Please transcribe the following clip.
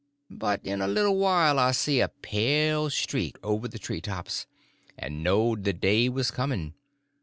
But in a little while I see a pale streak over the treetops, and knowed the day was coming.